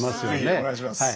是非お願いします。